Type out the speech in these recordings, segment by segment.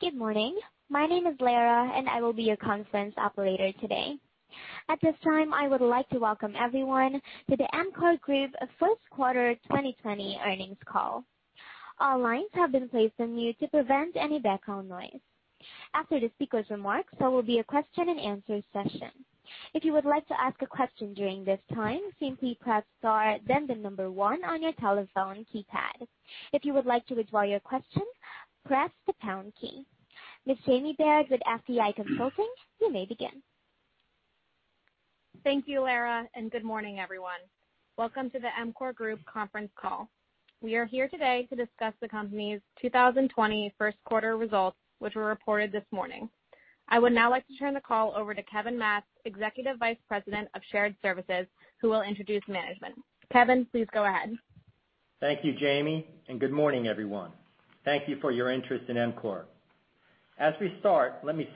Good morning. My name is Laura, and I will be your conference operator today. At this time, I would like to welcome everyone to the EMCOR Group first quarter 2020 earnings call. All lines have been placed on mute to prevent any background noise. After the speaker's remarks, there will be a question and answer session. If you would like to ask a question during this time, simply press star then the number one on your telephone keypad. If you would like to withdraw your question, press the pound key. Ms. Jamie Baird with FTI Consulting, you may begin. Thank you, Laura, and good morning everyone. Welcome to the EMCOR Group conference call. We are here today to discuss the company's 2020 first quarter results, which were reported this morning. I would now like to turn the call over to Kevin Matz, Executive Vice President of Shared Services, who will introduce management. Kevin, please go ahead. Thank you, Jamie, and good morning everyone. Thank you for your interest in EMCOR. As we start, let me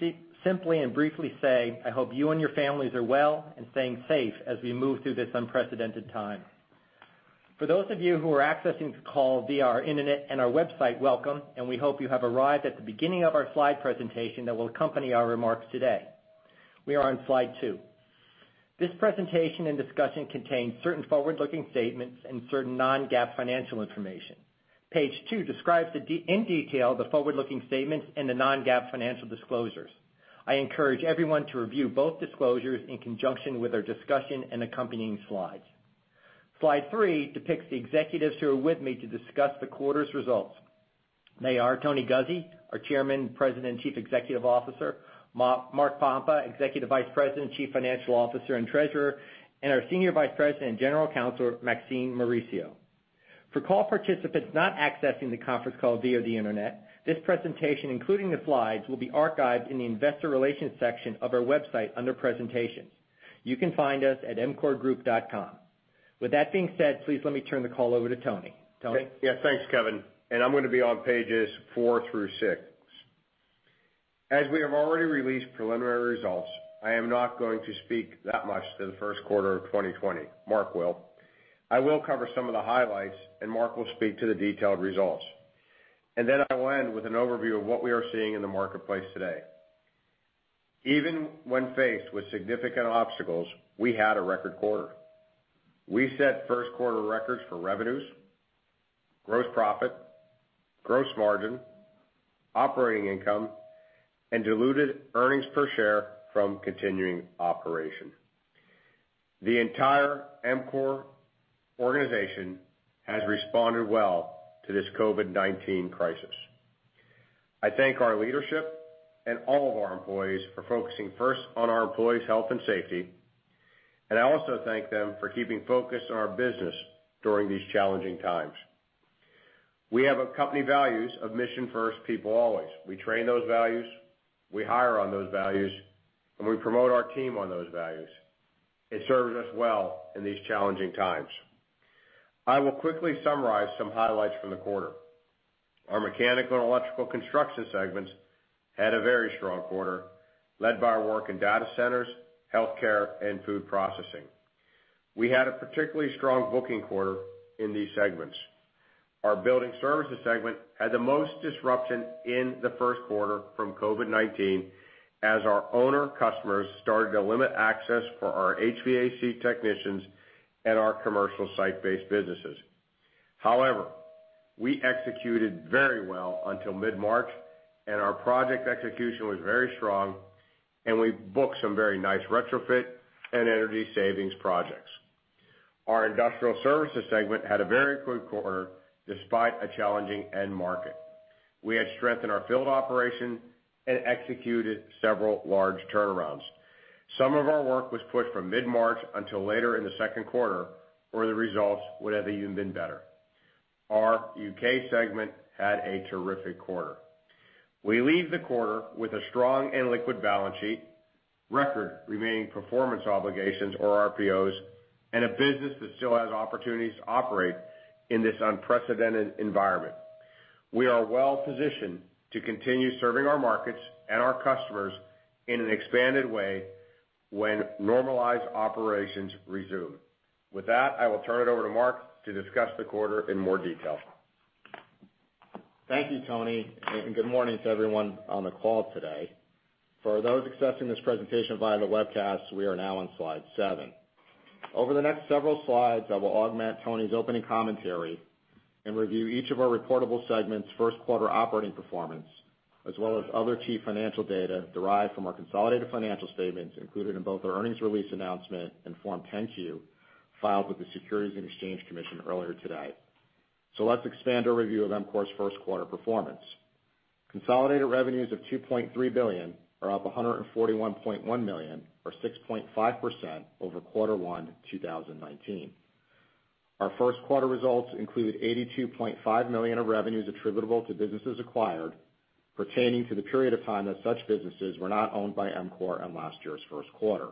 simply and briefly say, I hope you and your families are well and staying safe as we move through this unprecedented time. For those of you who are accessing the call via our internet and our website, welcome, and we hope you have arrived at the beginning of our slide presentation that will accompany our remarks today. We are on slide two. This presentation and discussion contains certain forward-looking statements and certain non-GAAP financial information. Page two describes in detail the forward-looking statements and the non-GAAP financial disclosures. I encourage everyone to review both disclosures in conjunction with our discussion and accompanying slides. Slide three depicts the executives who are with me to discuss the quarter's results. They are Tony Guzzi, our Chairman, President, and Chief Executive Officer, Mark Pompa, Executive Vice President, Chief Financial Officer, and Treasurer, and our Senior Vice President and General Counsel, Maxine Mauricio. For call participants not accessing the conference call via the internet, this presentation, including the slides, will be archived in the investor relations section of our website under presentations. You can find us at emcorgroup.com. With that being said, please let me turn the call over to Tony. Tony? Yeah. Thanks, Kevin. I'm going to be on pages four through six. As we have already released preliminary results, I am not going to speak that much to the first quarter of 2020. Mark will. I will cover some of the highlights, and Mark will speak to the detailed results. I will end with an overview of what we are seeing in the marketplace today. Even when faced with significant obstacles, we had a record quarter. We set first quarter records for revenues, gross profit, gross margin, operating income, and diluted earnings per share from continuing operation. The entire EMCOR organization has responded well to this COVID-19 crisis. I thank our leadership and all of our employees for focusing first on our employees' health and safety, and I also thank them for keeping focused on our business during these challenging times. We have company values of mission first, people always. We train those values, we hire on those values, and we promote our team on those values. It serves us well in these challenging times. I will quickly summarize some highlights from the quarter. Our mechanical and electrical construction segments had a very strong quarter, led by our work in data centers, healthcare, and food processing. We had a particularly strong booking quarter in these segments. Our building services segment had the most disruption in the first quarter from COVID-19, as our owner customers started to limit access for our HVAC technicians and our commercial site-based businesses. However, we executed very well until mid-March, and our project execution was very strong, and we booked some very nice retrofit and energy savings projects. Our industrial services segment had a very good quarter despite a challenging end market. We had strength in our field operation and executed several large turnarounds. Some of our work was pushed from mid-March until later in the second quarter, or the results would have even been better. Our U.K. segment had a terrific quarter. We leave the quarter with a strong and liquid balance sheet, record Remaining Performance Obligations or RPOs. A business that still has opportunities to operate in this unprecedented environment. We are well positioned to continue serving our markets and our customers in an expanded way when normalized operations resume. With that, I will turn it over to Mark to discuss the quarter in more detail. Thank you, Tony. Good morning to everyone on the call today. For those accessing this presentation via the webcast, we are now on slide seven. Over the next several slides, I will augment Tony's opening commentary and review each of our reportable segments' first quarter operating performance, as well as other key financial data derived from our consolidated financial statements included in both our earnings release announcement and Form 10-Q filed with the Securities and Exchange Commission earlier today. Let's expand our review of EMCOR's first quarter performance. Consolidated revenues of $2.3 billion are up $141.1 million or 6.5% over Q1 2019. Our first quarter results include $82.5 million of revenues attributable to businesses acquired pertaining to the period of time that such businesses were not owned by EMCOR in last year's first quarter.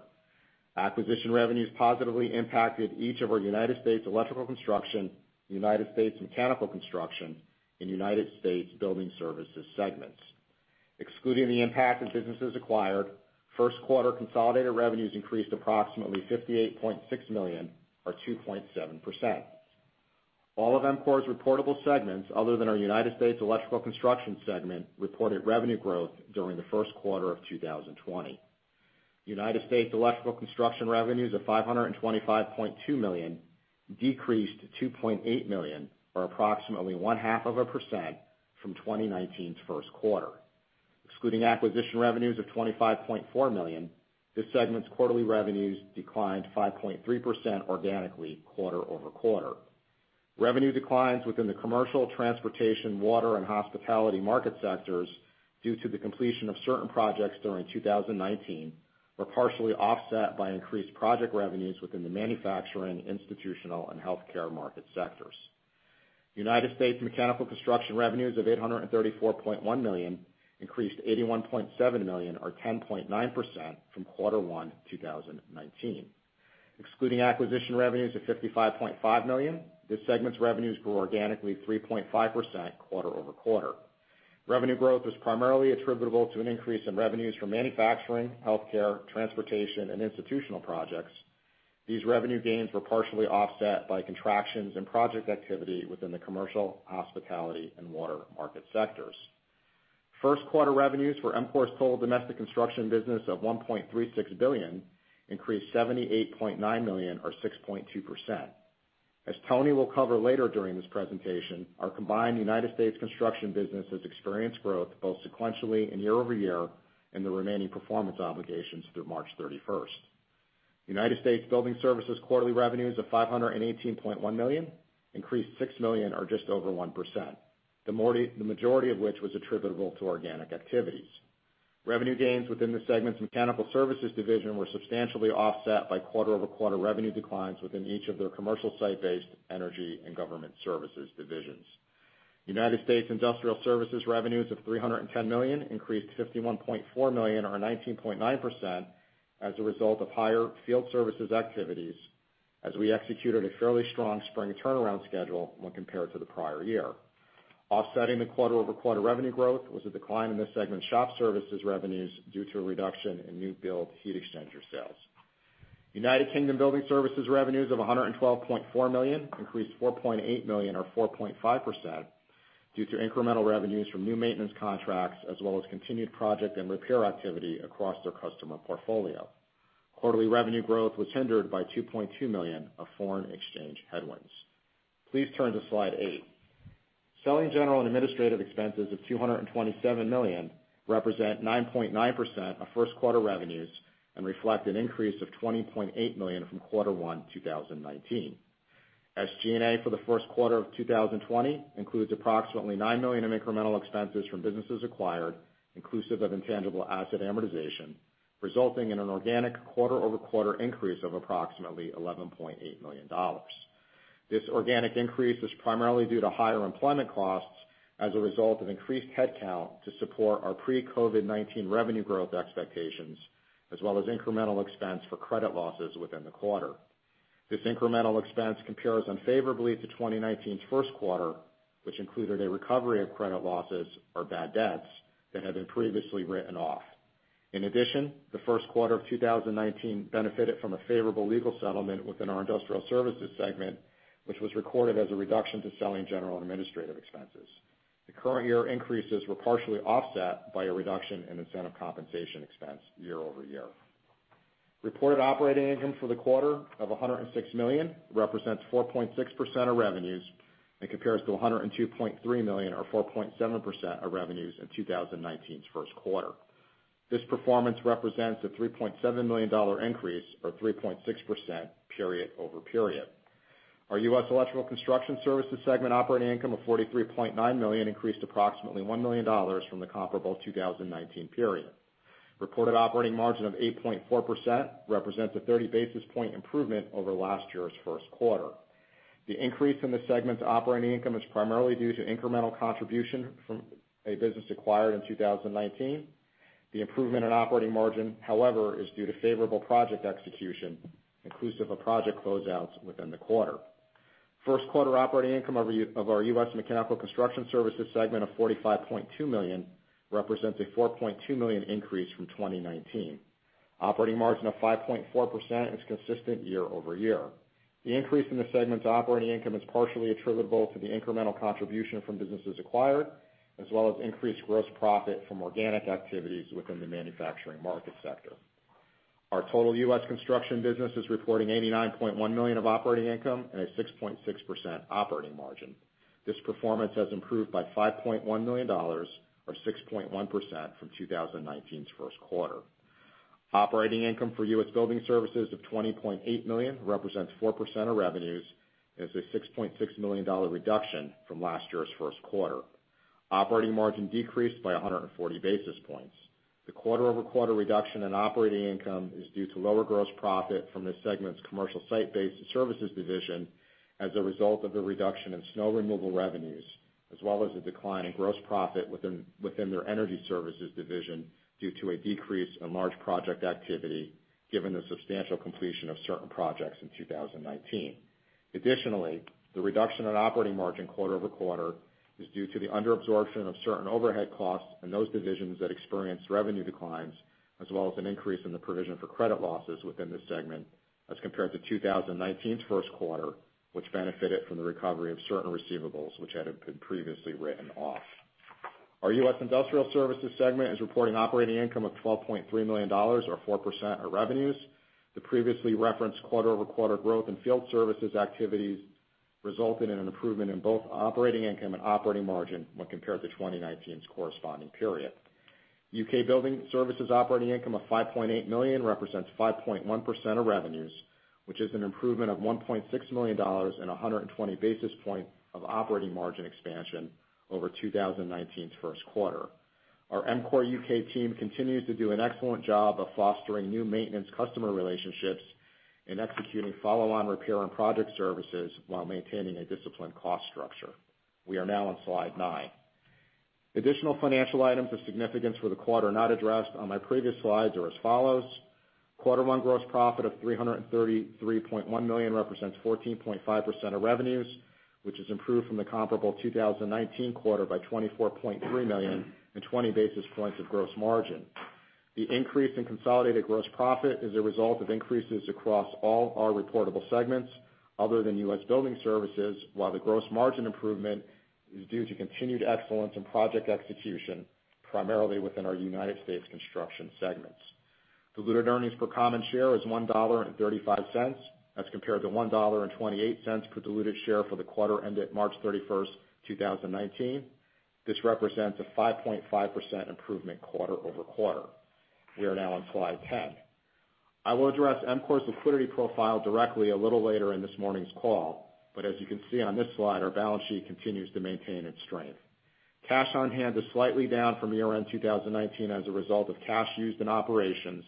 Acquisition revenues positively impacted each of our United States electrical construction, United States mechanical construction, and United States building services segments. Excluding the impact of businesses acquired, first quarter consolidated revenues increased approximately $58.6 million or 2.7%. All of EMCOR's reportable segments, other than our United States electrical construction segment, reported revenue growth during the first quarter of 2020. United States electrical construction revenues of $525.2 million decreased to $2.8 million, or approximately one-half of a percent from 2019's first quarter. Excluding acquisition revenues of $25.4 million, this segment's quarterly revenues declined 5.3% organically quarter-over-quarter. Revenue declines within the commercial, transportation, water, and hospitality market sectors, due to the completion of certain projects during 2019, were partially offset by increased project revenues within the manufacturing, institutional, and healthcare market sectors. United States mechanical construction revenues of $834.1 million increased $81.7 million or 10.9% from quarter one 2019. Excluding acquisition revenues of $55.5 million, this segment's revenues grew organically 3.5% quarter-over-quarter. Revenue growth was primarily attributable to an increase in revenues from manufacturing, healthcare, transportation, and institutional projects. These revenue gains were partially offset by contractions in project activity within the commercial, hospitality, and water market sectors. First quarter revenues for EMCOR's total domestic construction business of $1.36 billion increased $78.9 million or 6.2%. As Tony will cover later during this presentation, our combined United States construction business has experienced growth both sequentially and year-over-year in the remaining performance obligations through March 31st. United States building services quarterly revenues of $518.1 million increased $6 million or just over 1%, the majority of which was attributable to organic activities. Revenue gains within the segment's mechanical services division were substantially offset by quarter-over-quarter revenue declines within each of their commercial site-based energy and government services divisions. U.S. industrial services revenues of $310 million increased $51.4 million or 19.9% as a result of higher field services activities, as we executed a fairly strong spring turnaround schedule when compared to the prior year. Offsetting the quarter-over-quarter revenue growth was a decline in this segment's shop services revenues due to a reduction in new build heat exchanger sales. U.K. building services revenues of $112.4 million increased $4.8 million or 4.5% due to incremental revenues from new maintenance contracts, as well as continued project and repair activity across their customer portfolio. Quarterly revenue growth was hindered by $2.2 million of foreign exchange headwinds. Please turn to slide eight. Selling, general, and administrative expenses of $227 million represent 9.9% of first quarter revenues and reflect an increase of $20.8 million from quarter one 2019. SG&A for the first quarter of 2020 includes approximately $9 million of incremental expenses from businesses acquired, inclusive of intangible asset amortization, resulting in an organic quarter-over-quarter increase of approximately $11.8 million. This organic increase was primarily due to higher employment costs as a result of increased headcount to support our pre-COVID-19 revenue growth expectations, as well as incremental expense for credit losses within the quarter. This incremental expense compares unfavorably to 2019's first quarter, which included a recovery of credit losses or bad debts that had been previously written off. In addition, the first quarter of 2019 benefited from a favorable legal settlement within our industrial services segment, which was recorded as a reduction to selling general administrative expenses. The current year increases were partially offset by a reduction in incentive compensation expense year-over-year. Reported operating income for the quarter of 106 million represents 4.6% of revenues and compares to 102.3 million or 4.7% of revenues in 2019's first quarter. This performance represents a $3.7 million increase or 3.6% period-over-period. Our U.S. electrical construction services segment operating income of 43.9 million increased approximately one million dollars from the comparable 2019 period. Reported operating margin of 8.4% represents a 30-basis point improvement over last year's first quarter. The increase in this segment's operating income is primarily due to incremental contribution from a business acquired in 2019. The improvement in operating margin, however, is due to favorable project execution, inclusive of project closeouts within the quarter. First quarter operating income of our U.S. mechanical construction services segment of 45.2 million represents a 4.2 million increase from 2019. Operating margin of 5.4% is consistent year-over-year. The increase in this segment's operating income is partially attributable to the incremental contribution from businesses acquired, as well as increased gross profit from organic activities within the manufacturing market sector. Our total U.S. construction business is reporting $89.1 million of operating income and a 6.6% operating margin. This performance has improved by $5.1 million or 6.1% from 2019's first quarter. Operating income for U.S. building services of $20.8 million represents 4% of revenues and is a $6.6 million reduction from last year's first quarter. Operating margin decreased by 140 basis points. The quarter-over-quarter reduction in operating income is due to lower gross profit from this segment's commercial site-based services division as a result of the reduction in snow removal revenues, as well as a decline in gross profit within their energy services division due to a decrease in large project activity given the substantial completion of certain projects in 2019. Additionally, the reduction in operating margin quarter-over-quarter is due to the under absorption of certain overhead costs in those divisions that experienced revenue declines, as well as an increase in the provision for credit losses within the segment as compared to 2019's first quarter, which benefited from the recovery of certain receivables which had been previously written off. Our U.S. Industrial Services segment is reporting operating income of $12.3 million or 4% of revenues. The previously referenced quarter-over-quarter growth in field services activities resulted in an improvement in both operating income and operating margin when compared to 2019's corresponding period. UK Building Services operating income of $5.8 million represents 5.1% of revenues, which is an improvement of $1.6 million and 120 basis points of operating margin expansion over 2019's first quarter. Our EMCOR UK team continues to do an excellent job of fostering new maintenance customer relationships and executing follow-on repair and project services while maintaining a disciplined cost structure. We are now on slide nine. Additional financial items of significance for the quarter not addressed on my previous slides are as follows: Quarter one gross profit of $333.1 million represents 14.5% of revenues, which has improved from the comparable 2019 quarter by $24.3 million and 20 basis points of gross margin. The increase in consolidated gross profit is a result of increases across all our reportable segments other than U.S. building services, while the gross margin improvement is due to continued excellence in project execution, primarily within our United States construction segments. Diluted earnings per common share is $1.35 as compared to $1.28 per diluted share for the quarter ended March 31, 2019. This represents a 5.5% improvement quarter-over-quarter. We are now on slide 10. I will address EMCOR's liquidity profile directly a little later in this morning's call, but as you can see on this slide, our balance sheet continues to maintain its strength. Cash on hand is slightly down from year-end 2019 as a result of cash used in operations,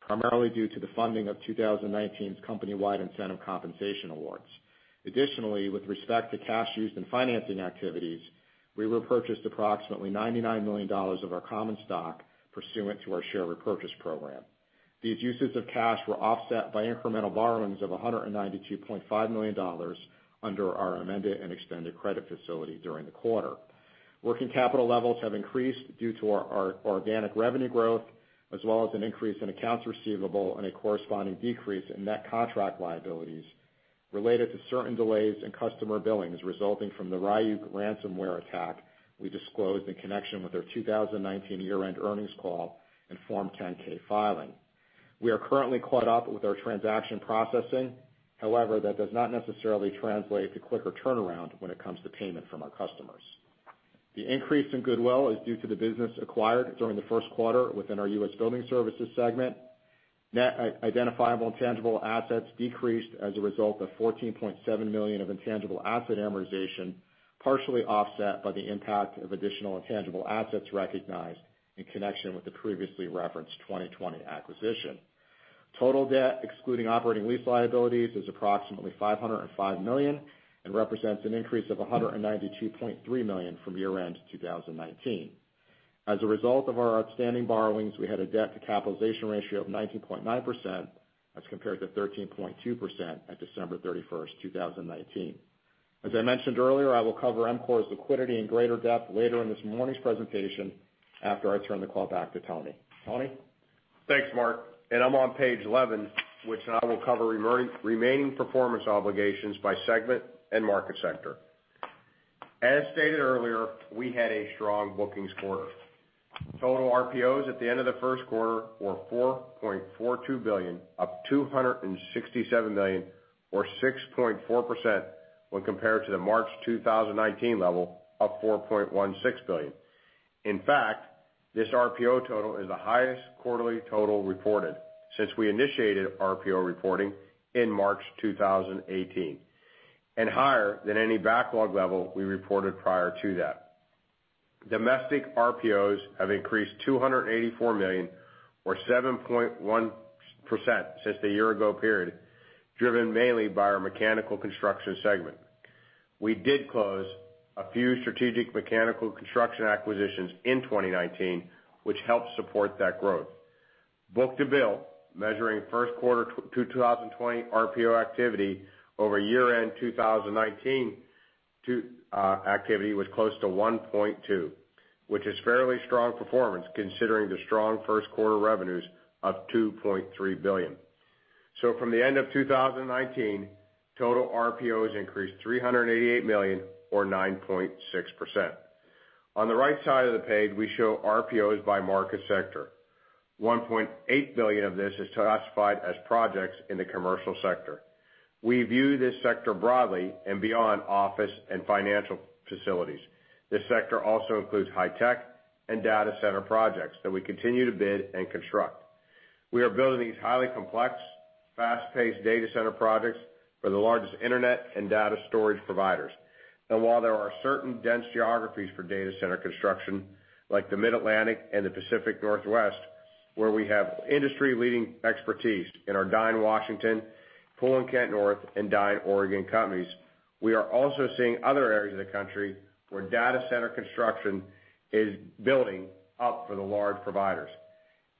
primarily due to the funding of 2019's company-wide incentive compensation awards. Additionally, with respect to cash used in financing activities, we repurchased approximately $99 million of our common stock pursuant to our share repurchase program. These uses of cash were offset by incremental borrowings of $192.5 million under our amended and extended credit facility during the quarter. Working capital levels have increased due to our organic revenue growth, as well as an increase in accounts receivable and a corresponding decrease in net contract liabilities related to certain delays in customer billings resulting from the Ryuk ransomware attack we disclosed in connection with our 2019 year-end earnings call and Form 10-K filing. We are currently caught up with our transaction processing. However, that does not necessarily translate to quicker turnaround when it comes to payment from our customers. The increase in goodwill is due to the business acquired during the first quarter within our U.S. building services segment. Net identifiable intangible assets decreased as a result of $14.7 million of intangible asset amortization, partially offset by the impact of additional intangible assets recognized in connection with the previously referenced 2020 acquisition. Total debt, excluding operating lease liabilities, is approximately $505 million and represents an increase of $192.3 million from year-end 2019. As a result of our outstanding borrowings, we had a debt to capitalization ratio of 19.9% as compared to 13.2% at December 31st, 2019. As I mentioned earlier, I will cover EMCOR's liquidity in greater depth later in this morning's presentation after I turn the call back to Tony. Tony? Thanks, Mark. I'm on page 11, which I will cover remaining performance obligations by segment and market sector. As stated earlier, we had a strong bookings quarter. Total RPOs at the end of the first quarter were $4.42 billion, up $267 million, or 6.4% when compared to the March 2019 level of $4.16 billion. In fact, this RPO total is the highest quarterly total reported since we initiated RPO reporting in March 2018 and higher than any backlog level we reported prior to that. Domestic RPOs have increased $284 million or 7.1% since the year ago period, driven mainly by our mechanical construction segment. We did close a few strategic mechanical construction acquisitions in 2019, which helped support that growth. Book-to-bill, measuring first quarter 2020 RPO activity over year-end 2019 activity, was close to 1.2, which is fairly strong performance considering the strong first quarter revenues of $2.3 billion. From the end of 2019, total RPOs increased $388 million or 9.6%. On the right side of the page, we show RPOs by market sector. $1.8 billion of this is classified as projects in the commercial sector. We view this sector broadly and beyond office and financial facilities. This sector also includes high tech and data center projects that we continue to bid and construct. We are building these highly complex, fast-paced data center projects for the largest internet and data storage providers. While there are certain dense geographies for data center construction, like the Mid-Atlantic and the Pacific Northwest, where we have industry-leading expertise in our Dynalectric Washington, D.C., Pullman Kent North, and Dynalectric Oregon companies, we are also seeing other areas of the country where data center construction is building up for the large providers.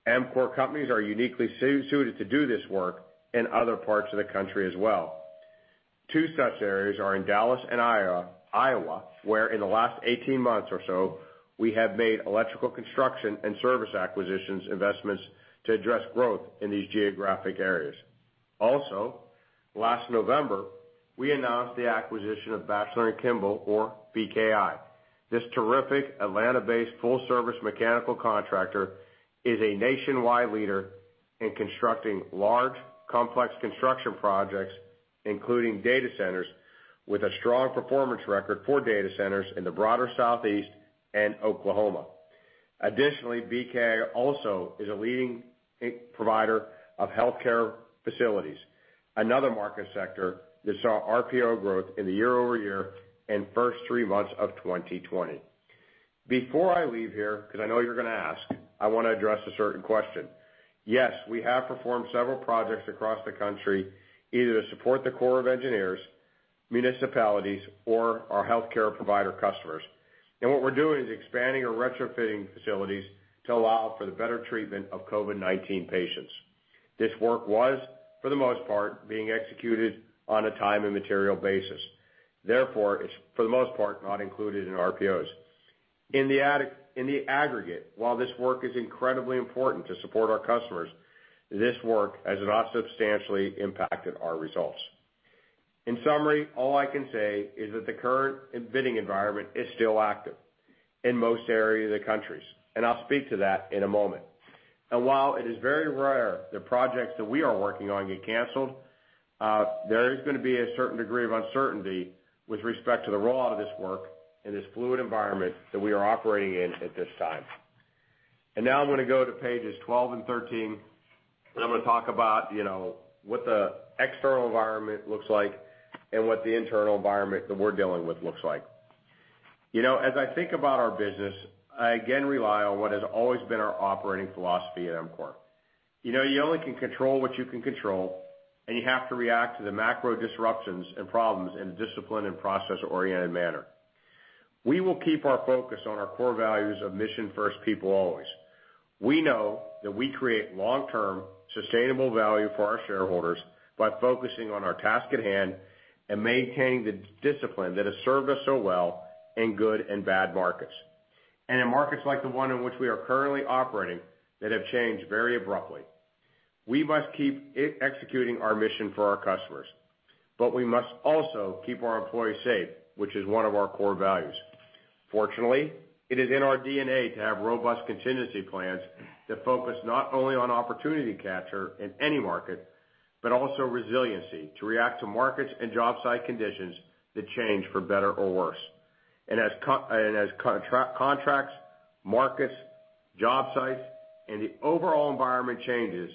EMCOR companies are uniquely suited to do this work in other parts of the country as well. Two such areas are in Dallas and Iowa, where in the last 18 months or so, we have made electrical construction and service acquisitions investments to address growth in these geographic areas. Also last November, we announced the acquisition of Batchelor & Kimball, or BKI. This terrific Atlanta-based full-service mechanical contractor is a nationwide leader in constructing large, complex construction projects, including data centers, with a strong performance record for data centers in the broader Southeast and Oklahoma. Additionally, BKI also is a leading provider of healthcare facilities, another market sector that saw RPO growth in the year-over-year and first three months of 2020. Before I leave here, because I know you're going to ask, I want to address a certain question. Yes, we have performed several projects across the country either to support the Corps of Engineers, municipalities, or our healthcare provider customers. What we're doing is expanding or retrofitting facilities to allow for the better treatment of COVID-19 patients. This work was, for the most part, being executed on a time and material basis. Therefore, it's, for the most part, not included in RPOs. In the aggregate, while this work is incredibly important to support our customers, this work has not substantially impacted our results. In summary, all I can say is that the current bidding environment is still active in most areas of the country, and I'll speak to that in a moment. While it is very rare that projects that we are working on get canceled, there is going to be a certain degree of uncertainty with respect to the rollout of this work in this fluid environment that we are operating in at this time. Now I'm going to go to pages 12 and 13, and I'm going to talk about what the external environment looks like and what the internal environment that we're dealing with looks like. As I think about our business, I again rely on what has always been our operating philosophy at EMCOR. You only can control what you can control, and you have to react to the macro disruptions and problems in a disciplined and process-oriented manner. We will keep our focus on our core values of mission first, people always. We know that we create long-term sustainable value for our shareholders by focusing on our task at hand and maintaining the discipline that has served us so well in good and bad markets. In markets like the one in which we are currently operating that have changed very abruptly. We must keep executing our mission for our customers, but we must also keep our employees safe, which is one of our core values. Fortunately, it is in our DNA to have robust contingency plans that focus not only on opportunity capture in any market, but also resiliency to react to markets and job site conditions that change for better or worse. As contracts, markets, job sites, and the overall environment changes,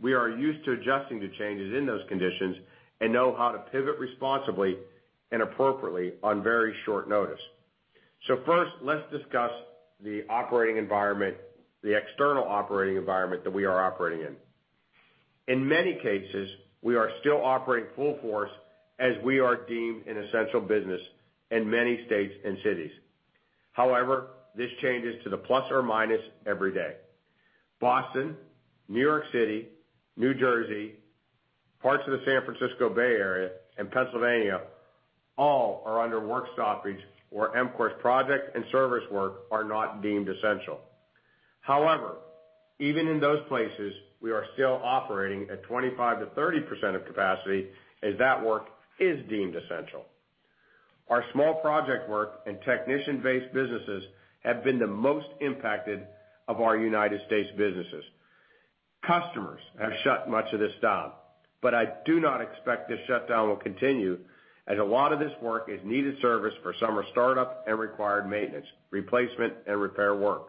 we are used to adjusting to changes in those conditions and know how to pivot responsibly and appropriately on very short notice. First, let's discuss the external operating environment that we are operating in. In many cases, we are still operating full force as we are deemed an essential business in many states and cities. However, this changes to the plus or minus every day. Boston, New York City, New Jersey, parts of the San Francisco Bay Area, and Pennsylvania all are under work stoppage where EMCOR's project and service work are not deemed essential. However, even in those places, we are still operating at 25%-30% of capacity as that work is deemed essential. Our small project work and technician-based businesses have been the most impacted of our United States businesses. Customers have shut much of this down, but I do not expect this shutdown will continue, as a lot of this work is needed service for summer startup and required maintenance, replacement, and repair work.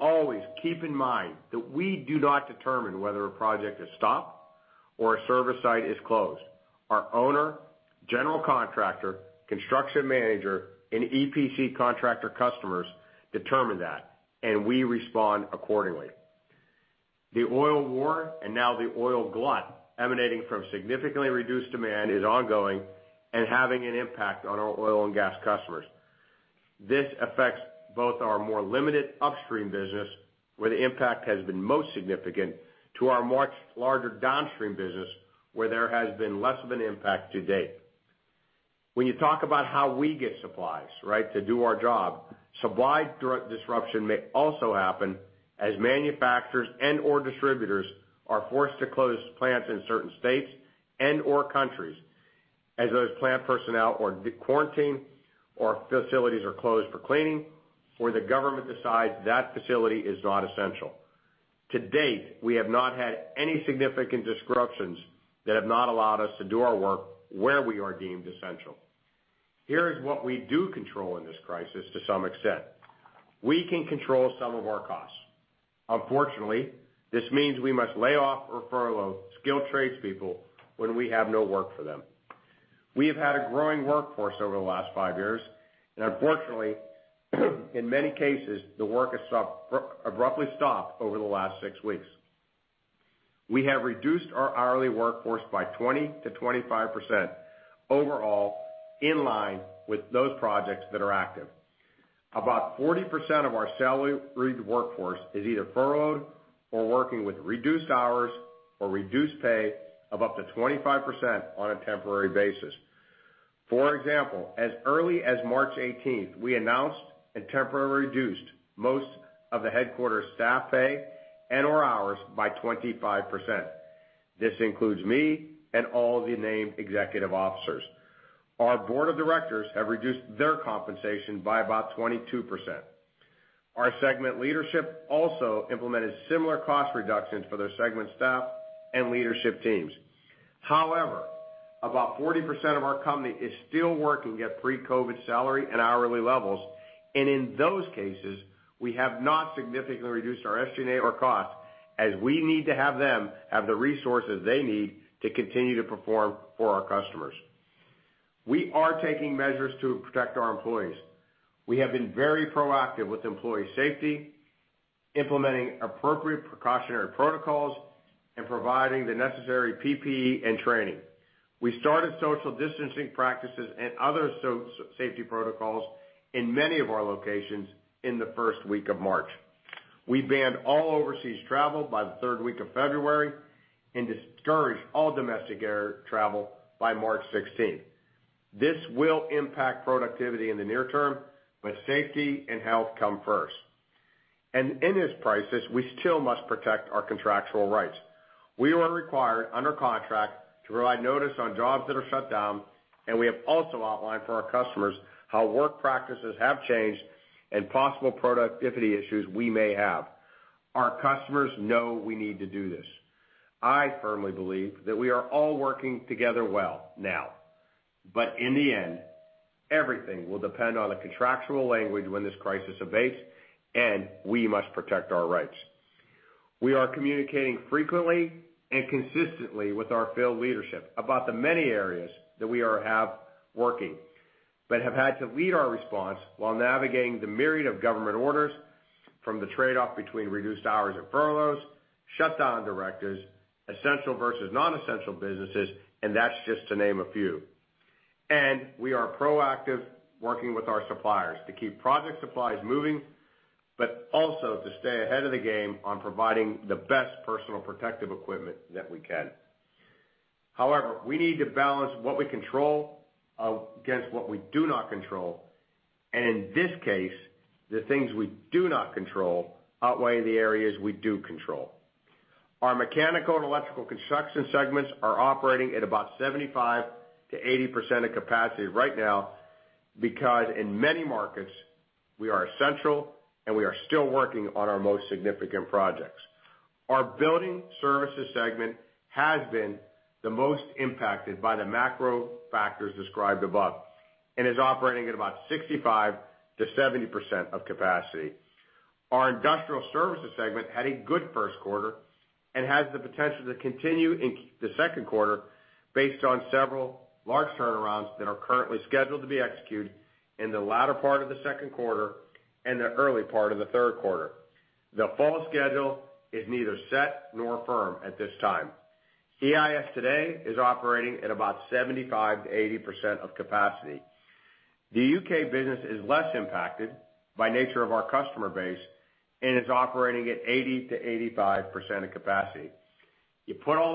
Always keep in mind that we do not determine whether a project is stopped or a service site is closed. Our owner, general contractor, construction manager, and EPC contractor customers determine that, and we respond accordingly. The oil war and now the oil glut emanating from significantly reduced demand is ongoing and having an impact on our oil and gas customers. This affects both our more limited upstream business where the impact has been most significant to our much larger downstream business where there has been less of an impact to date. When you talk about how we get supplies to do our job, supply disruption may also happen as manufacturers and/or distributors are forced to close plants in certain states and/or countries as those plant personnel are quarantined or facilities are closed for cleaning or the government decides that facility is not essential. To date, we have not had any significant disruptions that have not allowed us to do our work where we are deemed essential. Here is what we do control in this crisis to some extent. We can control some of our costs. Unfortunately, this means we must lay off or furlough skilled tradespeople when we have no work for them. We have had a growing workforce over the last five years, and unfortunately, in many cases, the work has abruptly stopped over the last six weeks. We have reduced our hourly workforce by 20%-25% overall in line with those projects that are active. About 40% of our salaried workforce is either furloughed or working with reduced hours or reduced pay of up to 25% on a temporary basis. For example, as early as March 18th, we announced and temporarily reduced most of the headquarter staff pay and/or hours by 25%. This includes me and all the named executive officers. Our board of directors have reduced their compensation by about 22%. Our segment leadership also implemented similar cost reductions for their segment staff and leadership teams. However, about 40% of our company is still working at pre-COVID salary and hourly levels. In those cases, we have not significantly reduced our SG&A or cost, as we need to have them have the resources they need to continue to perform for our customers. We are taking measures to protect our employees. We have been very proactive with employee safety, implementing appropriate precautionary protocols, and providing the necessary PPE and training. We started social distancing practices and other safety protocols in many of our locations in the first week of March. We banned all overseas travel by the third week of February and discouraged all domestic air travel by March 16th. This will impact productivity in the near term, but safety and health come first. In this crisis, we still must protect our contractual rights. We were required under contract to provide notice on jobs that are shut down, and we have also outlined for our customers how work practices have changed and possible productivity issues we may have. Our customers know we need to do this. I firmly believe that we are all working together well now, but in the end, everything will depend on the contractual language when this crisis abates, and we must protect our rights. We are communicating frequently and consistently with our field leadership about the many areas that we are working, but have had to lead our response while navigating the myriad of government orders from the trade-off between reduced hours or furloughs, shutdown directives, essential versus non-essential businesses, and that's just to name a few. We are proactive, working with our suppliers to keep project supplies moving, but also to stay ahead of the game on providing the best personal protective equipment that we can. However, we need to balance what we control against what we do not control. In this case, the things we do not control outweigh the areas we do control. Our mechanical and electrical construction segments are operating at about 75%-80% of capacity right now because in many markets, we are essential, and we are still working on our most significant projects. Our building services segment has been the most impacted by the macro factors described above and is operating at about 65%-70% of capacity. Our industrial services segment had a good first quarter and has the potential to continue in the second quarter based on several large turnarounds that are currently scheduled to be executed in the latter part of the second quarter and the early part of the third quarter. The fall schedule is neither set nor firm at this time. EIS today is operating at about 75%-80% of capacity. The U.K. business is less impacted by nature of our customer base and is operating at 80%-85% of capacity. You put all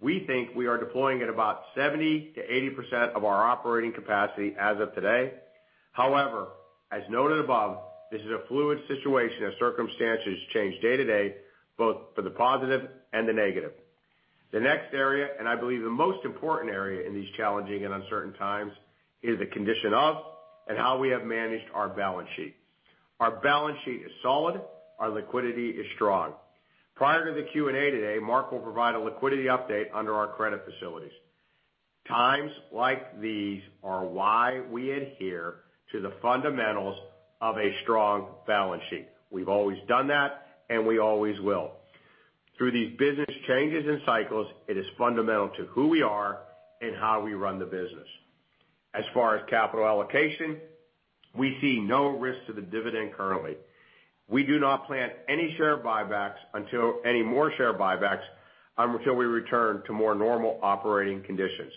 that together, we think we are deploying at about 70%-80% of our operating capacity as of today. However, as noted above, this is a fluid situation as circumstances change day-to-day, both for the positive and the negative. The next area, and I believe the most important area in these challenging and uncertain times, is the condition of and how we have managed our balance sheet. Our balance sheet is solid. Our liquidity is strong. Prior to the Q&A today, Mark will provide a liquidity update under our credit facilities. Times like these are why we adhere to the fundamentals of a strong balance sheet. We've always done that, and we always will. Through these business changes and cycles, it is fundamental to who we are and how we run the business. As far as capital allocation, we see no risk to the dividend currently. We do not plan any more share buybacks until we return to more normal operating conditions.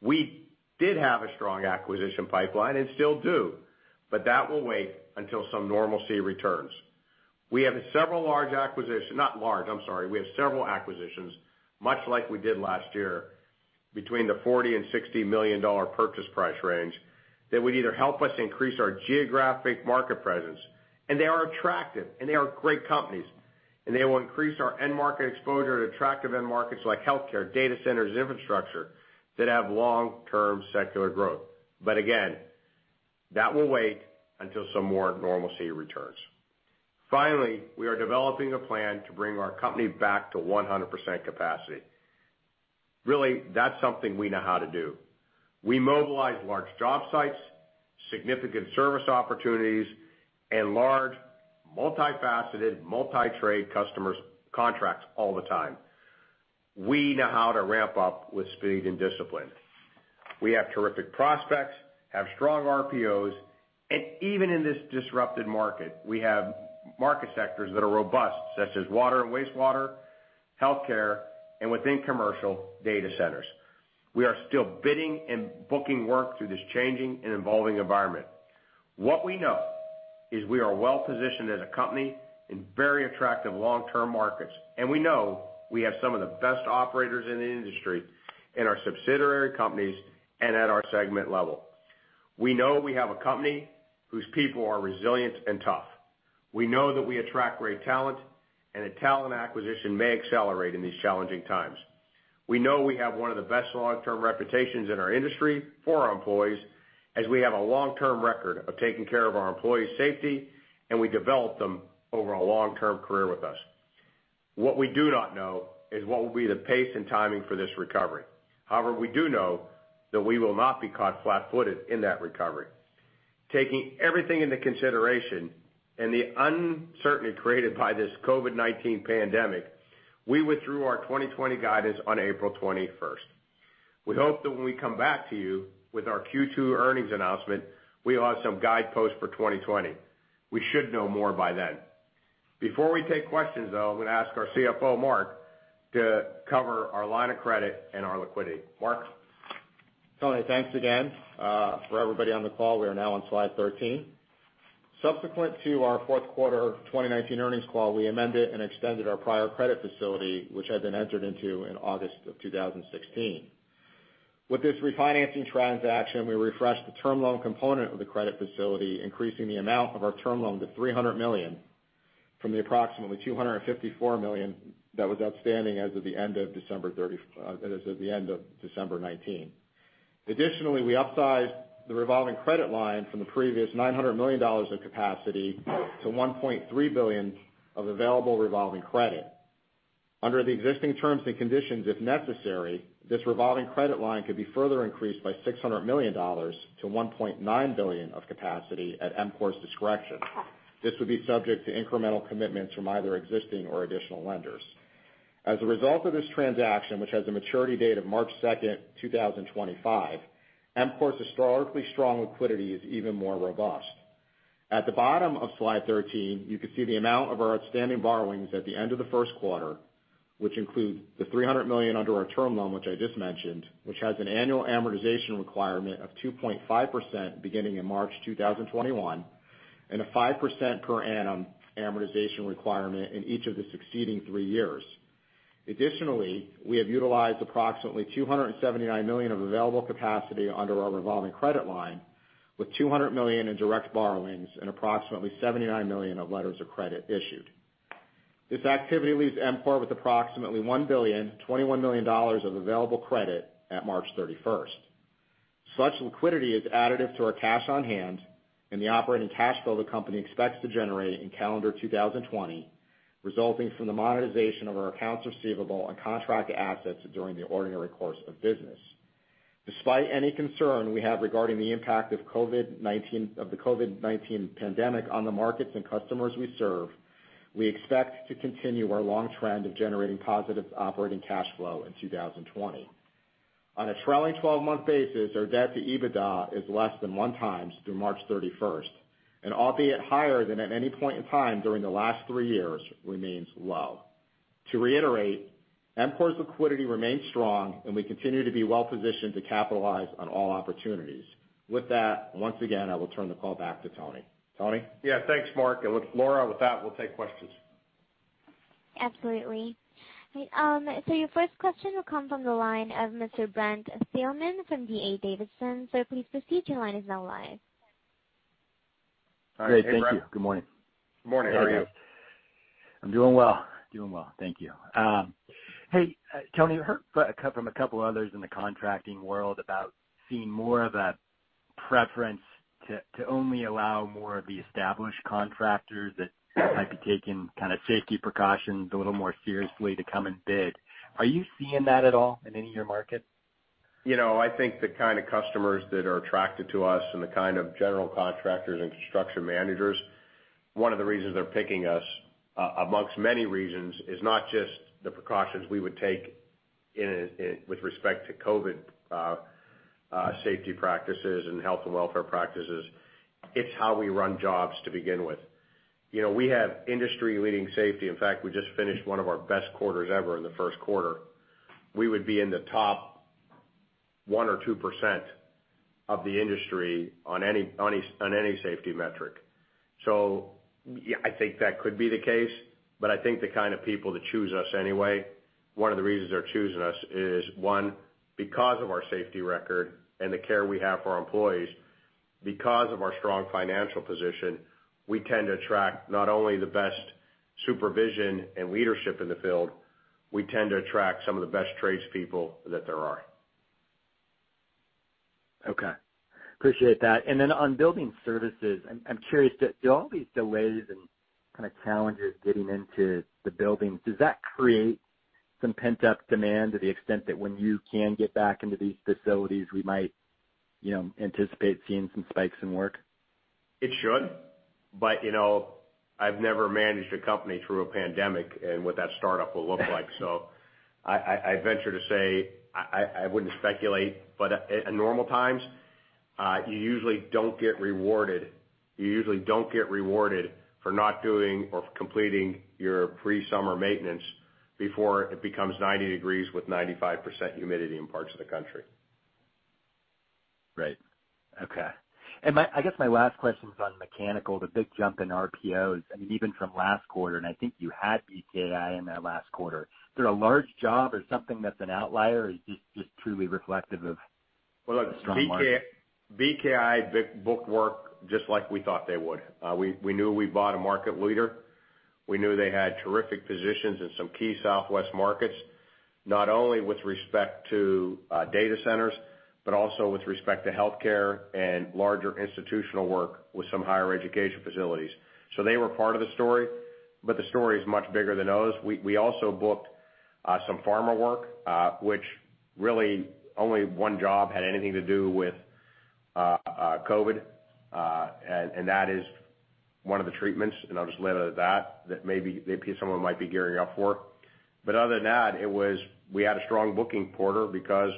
We did have a strong acquisition pipeline and still do, but that will wait until some normalcy returns. We have several acquisitions, much like we did last year, between the $40 and $60 million purchase price range, that would either help us increase our geographic market presence, and they are attractive, and they are great companies, and they will increase our end market exposure to attractive end markets like healthcare, data centers, infrastructure that have long-term secular growth. Again, that will wait until some more normalcy returns. Finally, we are developing a plan to bring our company back to 100% capacity. Really, that's something we know how to do. We mobilize large job sites, significant service opportunities, and large, multifaceted, multi-trade customers contracts all the time. We know how to ramp up with speed and discipline. We have terrific prospects, have strong RPOs, and even in this disrupted market, we have market sectors that are robust, such as water and wastewater, healthcare, and within commercial, data centers. We are still bidding and booking work through this changing and evolving environment. What we know is we are well-positioned as a company in very attractive long-term markets, and we know we have some of the best operators in the industry, in our subsidiary companies and at our segment level. We know we have a company whose people are resilient and tough. We know that we attract great talent, and that talent acquisition may accelerate in these challenging times. We know we have one of the best long-term reputations in our industry for our employees, as we have a long-term record of taking care of our employees' safety, and we develop them over a long-term career with us. What we do not know is what will be the pace and timing for this recovery. We do know that we will not be caught flat-footed in that recovery. Taking everything into consideration and the uncertainty created by this COVID-19 pandemic, we withdrew our 2020 guidance on April 21st. We hope that when we come back to you with our Q2 earnings announcement, we'll have some guideposts for 2020. We should know more by then. Before we take questions, though, I'm going to ask our CFO, Mark, to cover our line of credit and our liquidity. Mark? Tony, thanks again. For everybody on the call, we are now on slide 13. Subsequent to our fourth quarter 2019 earnings call, we amended and extended our prior credit facility, which had been entered into in August of 2016. With this refinancing transaction, we refreshed the term loan component of the credit facility, increasing the amount of our term loan to $300 million from the approximately $254 million that was outstanding as of the end of December 2019. Additionally, we upsized the revolving credit line from the previous $900 million of capacity to $1.3 billion of available revolving credit. Under the existing terms and conditions, if necessary, this revolving credit line could be further increased by $600 million to $1.9 billion of capacity at EMCOR's discretion. This would be subject to incremental commitments from either existing or additional lenders. A result of this transaction, which has a maturity date of March 2nd, 2025, EMCOR's historically strong liquidity is even more robust. At the bottom of slide 13, you can see the amount of our outstanding borrowings at the end of the first quarter, which includes the $300 million under our term loan, which I just mentioned, which has an annual amortization requirement of 2.5% beginning in March 2021, and a 5% per annum amortization requirement in each of the succeeding three years. Additionally, we have utilized approximately $279 million of available capacity under our revolving credit line, with $200 million in direct borrowings and approximately $79 million of letters of credit issued. This activity leaves EMCOR with approximately $1.021 billion of available credit at March 31st. Such liquidity is additive to our cash on hand and the operating cash flow the company expects to generate in calendar 2020, resulting from the monetization of our accounts receivable and contract assets during the ordinary course of business. Despite any concern we have regarding the impact of the COVID-19 pandemic on the markets and customers we serve, we expect to continue our long trend of generating positive operating cash flow in 2020. On a trailing 12-month basis, our debt to EBITDA is less than one times through March 31st, and albeit higher than at any point in time during the last three years, remains low. To reiterate, EMCOR's liquidity remains strong, and we continue to be well-positioned to capitalize on all opportunities. With that, once again, I will turn the call back to Tony. Tony? Yeah, thanks, Mark. Look, Laura, with that, we'll take questions. Absolutely. Your first question will come from the line of Mr. Brent Thielman from D.A. Davidson. Sir, please proceed. Your line is now live. All right. Hey, Brent. Great. Thank you. Good morning. Good morning. How are you? I'm doing well. Thank you. Hey, Tony, heard from a couple of others in the contracting world about seeing more of a preference to only allow more of the established contractors that might be taking kind of safety precautions a little more seriously to come and bid. Are you seeing that at all in any of your markets? I think the kind of customers that are attracted to us and the kind of general contractors and construction managers, one of the reasons they're picking us, amongst many reasons, is not just the precautions we would take with respect to COVID safety practices and health and welfare practices. It's how we run jobs to begin with. We have industry-leading safety. In fact, we just finished one of our best quarters ever in the first quarter. We would be in the top 1% or 2% of the industry on any safety metric. Yeah, I think that could be the case, but I think the kind of people that choose us anyway, one of the reasons they're choosing us is, one, because of our safety record and the care we have for our employees. Because of our strong financial position, we tend to attract not only the best supervision and leadership in the field, we tend to attract some of the best tradespeople that there are. Okay. Appreciate that. On building services, I'm curious, do all these delays and kind of challenges getting into the buildings, does that create some pent-up demand to the extent that when you can get back into these facilities, we might anticipate seeing some spikes in work? It should, but I've never managed a company through a pandemic and what that startup will look like. I venture to say I wouldn't speculate, but at normal times, you usually don't get rewarded for not doing or completing your pre-summer maintenance before it becomes 90 degrees with 95% humidity in parts of the country. Right. Okay. I guess my last question's on mechanical, the big jump in RPOs, and even from last quarter, and I think you had BKI in that last quarter. Is there a large job or something that's an outlier, or is this just truly reflective of a strong market? Well, look, BKI booked work just like we thought they would. We knew we bought a market leader. We knew they had terrific positions in some key Southwest markets, not only with respect to data centers, but also with respect to healthcare and larger institutional work with some higher education facilities. they were part of the story, but the story is much bigger than those. We also booked some pharma work, which really only one job had anything to do with COVID, and that is one of the treatments, and I'll just leave it at that maybe someone might be gearing up for. other than that, we had a strong booking quarter because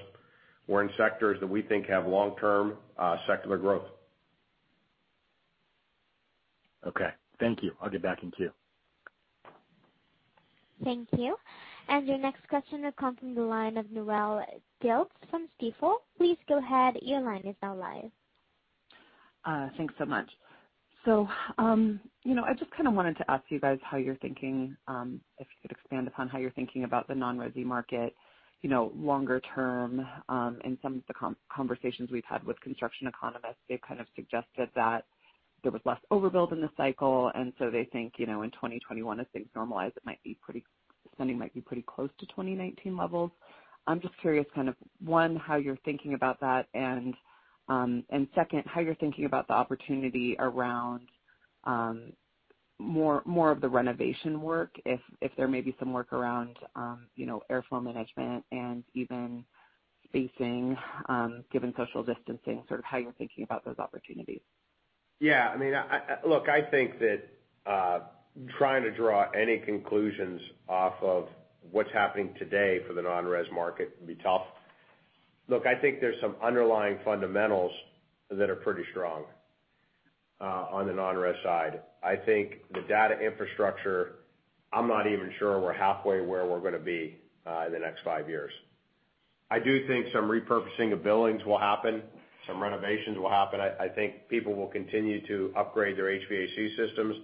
we're in sectors that we think have long-term secular growth. Okay. Thank you. I'll get back in queue. Thank you. Your next question will come from the line of Noelle Dilts from Stifel. Please go ahead. Your line is now live. Thanks so much. I just kind of wanted to ask you guys, if you could expand upon how you're thinking about the non-resi market, longer term. In some of the conversations we've had with construction economists, they've kind of suggested that there was less overbuild in the cycle, and so they think, in 2021, as things normalize, spending might be pretty close to 2019 levels. I'm just curious, one, how you're thinking about that, and second, how you're thinking about the opportunity around more of the renovation work, if there may be some work around airflow management and even spacing, given social distancing, sort of how you're thinking about those opportunities. Yeah. Look, I think that trying to draw any conclusions off of what's happening today for the non-res market can be tough. Look, I think there's some underlying fundamentals that are pretty strong on the non-res side. I think the data infrastructure, I'm not even sure we're halfway where we're going to be in the next five years. I do think some repurposing of buildings will happen, some renovations will happen. I think people will continue to upgrade their HVAC systems.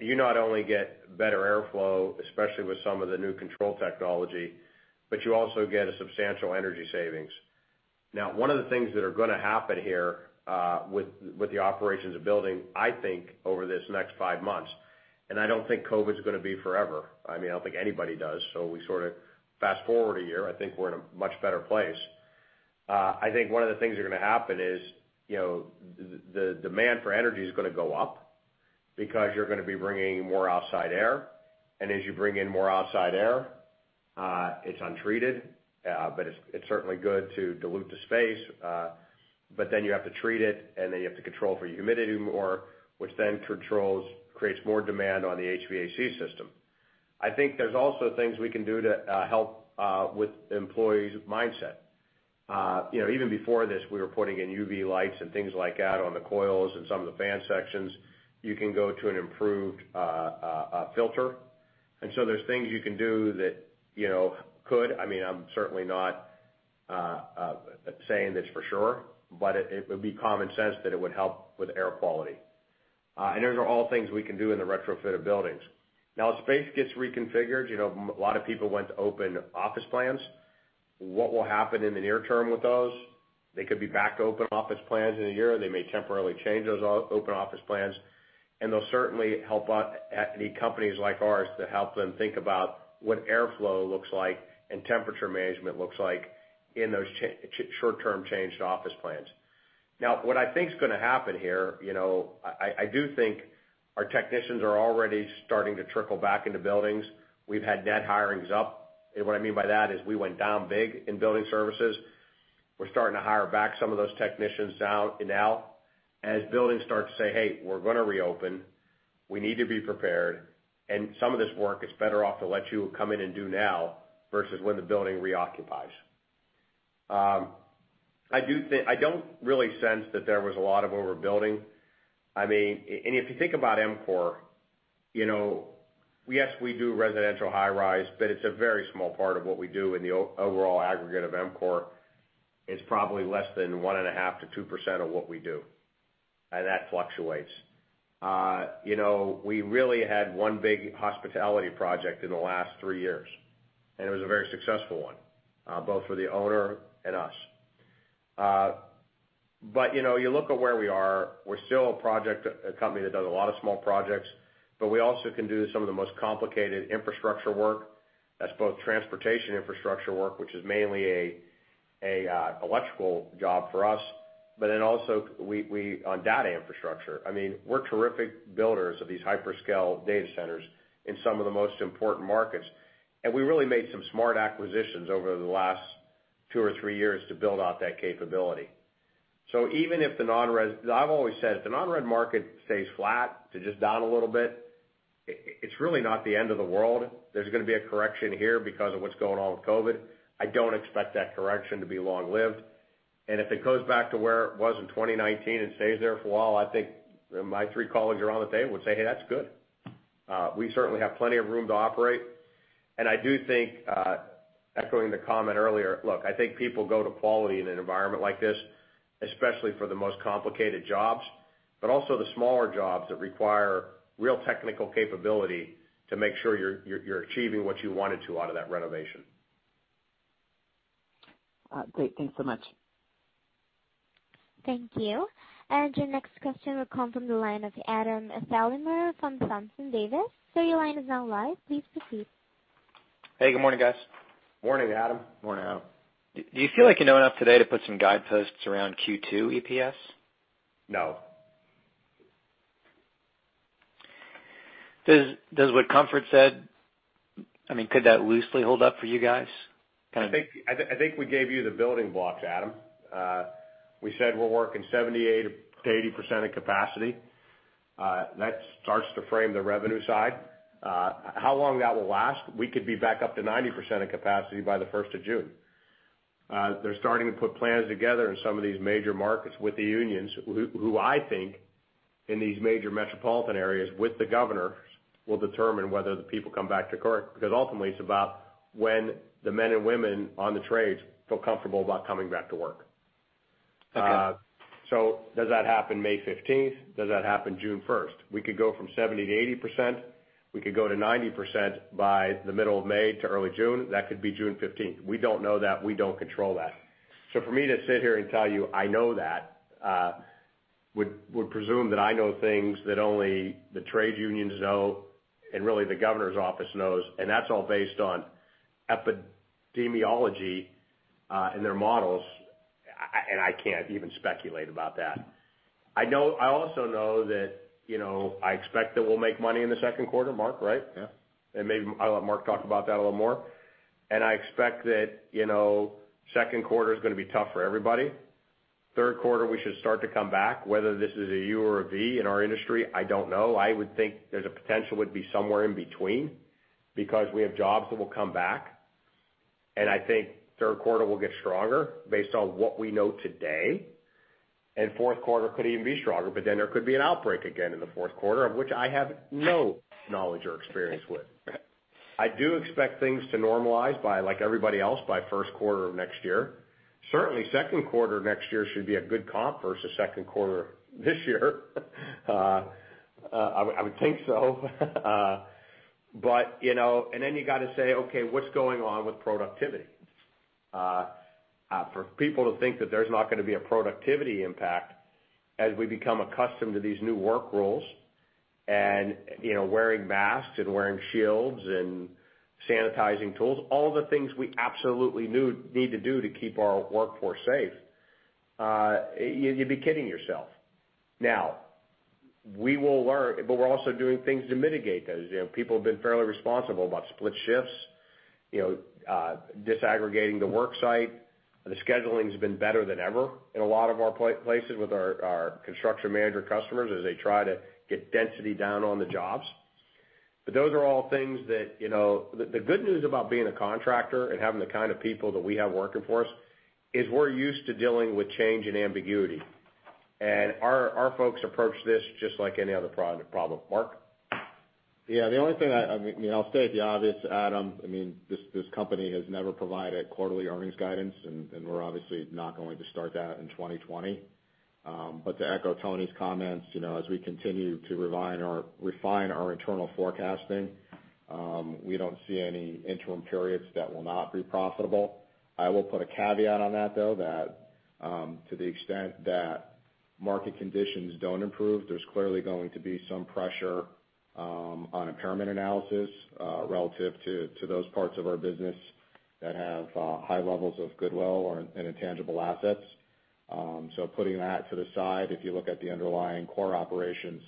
You not only get better airflow, especially with some of the new control technology, but you also get a substantial energy savings. Now, one of the things that are going to happen here, with the operations of buildings, I think over this next five months, and I don't think COVID's going to be forever. I don't think anybody does. We sort of fast-forward a year, I think we're in a much better place. I think one of the things that are going to happen is, the demand for energy is going to go up because you're going to be bringing more outside air. As you bring in more outside air, it's untreated, but it's certainly good to dilute the space. You have to treat it, and then you have to control for humidity more, which then creates more demand on the HVAC system. I think there's also things we can do to help with employees' mindset. Even before this, we were putting in UV lights and things like that on the coils and some of the fan sections. You can go to an improved filter. There's things you can do that could, I'm certainly not saying this for sure, but it would be common sense that it would help with air quality. these are all things we can do in the retrofit of buildings. Now, as space gets reconfigured, a lot of people went to open office plans. What will happen in the near term with those? They could be back to open office plans in a year. They may temporarily change those open office plans. they'll certainly need companies like ours to help them think about what airflow looks like and temperature management looks like in those short-term changed office plans. Now, what I think is going to happen here, I do think our technicians are already starting to trickle back into buildings. We've had net hirings up. What I mean by that is we went down big in building services. We're starting to hire back some of those technicians now. As buildings start to say, "Hey, we're going to reopen. We need to be prepared, and some of this work is better off to let you come in and do now versus when the building reoccupies." I don't really sense that there was a lot of overbuilding. if you think about EMCOR, yes, we do residential high-rise, but it's a very small part of what we do in the overall aggregate of EMCOR. It's probably less than 1.5%-2% of what we do. that fluctuates. We really had one big hospitality project in the last three years, and it was a very successful one, both for the owner and us. you look at where we are, we're still a company that does a lot of small projects, but we also can do some of the most complicated infrastructure work. That's both transportation infrastructure work, which is mainly a electrical job for us. also on data infrastructure. We're terrific builders of these hyperscale data centers in some of the most important markets, and we really made some smart acquisitions over the last two or three years to build out that capability. I've always said, if the non-res market stays flat to just down a little bit, it's really not the end of the world. There's going to be a correction here because of what's going on with COVID. I don't expect that correction to be long-lived. If it goes back to where it was in 2019 and stays there for a while, I think my three colleagues around the table would say, "Hey, that's good." We certainly have plenty of room to operate. I do think, echoing the comment earlier, look, I think people go to quality in an environment like this, especially for the most complicated jobs, but also the smaller jobs that require real technical capability to make sure you're achieving what you wanted to out of that renovation. Great. Thanks so much. Thank you. Your next question will come from the line of Adam Thalhimer from Thompson Davis. Your line is now live. Please proceed. Hey, good morning, guys. Morning, Adam. Morning, Adam. Do you feel like you know enough today to put some guideposts around Q2 EPS? No. Does what Comfort said, could that loosely hold up for you guys? I think we gave you the building blocks, Adam. We said we're working 70%-80% of capacity. That starts to frame the revenue side. How long that will last, we could be back up to 90% of capacity by the 1st of June. They're starting to put plans together in some of these major markets with the unions, who I think in these major metropolitan areas with the governor, will determine whether the people come back to work, because ultimately it's about when the men and women on the trades feel comfortable about coming back to work. Okay. Does that happen May 15th? Does that happen June 1st? We could go from 70% to 80%. We could go to 90% by the middle of May to early June. That could be June 15th. We don't know that. We don't control that. for me to sit here and tell you I know that, would presume that I know things that only the trade unions know and really the governor's office knows, and that's all based on epidemiology, and their models, and I can't even speculate about that. I also know that I expect that we'll make money in the second quarter, Mark, right? Yeah. Maybe I'll let Mark talk about that a little more. I expect that second quarter is going to be tough for everybody. Third quarter, we should start to come back. Whether this is a U or a V in our industry, I don't know. I would think there's a potential it would be somewhere in between because we have jobs that will come back. I think third quarter will get stronger based on what we know today. Fourth quarter could even be stronger, but then there could be an outbreak again in the fourth quarter, of which I have no knowledge or experience with. I do expect things to normalize by like everybody else by first quarter of next year. Certainly second quarter next year should be a good comp versus second quarter this year. I would think so. You got to say, "Okay, what's going on with productivity?" For people to think that there's not going to be a productivity impact as we become accustomed to these new work rules and wearing masks and wearing shields and sanitizing tools, all the things we absolutely need to do to keep our workforce safe, you'd be kidding yourself. Now, we will learn, but we're also doing things to mitigate those. People have been fairly responsible about split shifts, disaggregating the work site. The scheduling's been better than ever in a lot of our places with our construction manager customers as they try to get density down on the jobs. The good news about being a contractor and having the kind of people that we have working for us is we're used to dealing with change and ambiguity. our folks approach this just like any other problem. Mark? Yeah, the only thing, I'll state the obvious, Adam. This company has never provided quarterly earnings guidance, and we're obviously not going to start that in 2020. To echo Tony's comments, as we continue to refine our internal forecasting, we don't see any interim periods that will not be profitable. I will put a caveat on that, though, that to the extent that market conditions don't improve, there's clearly going to be some pressure on impairment analysis relative to those parts of our business that have high levels of goodwill or in intangible assets. Putting that to the side, if you look at the underlying core operations